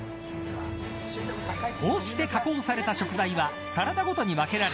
こうした加工された食材はサラダごとに分けられ